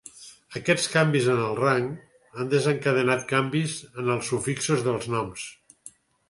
Aquests canvis en el rang han desencadenat canvis en els sufixos dels noms.